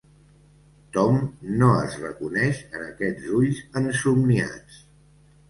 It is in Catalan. Tom no es reconeix en aquests ulls ensomniats.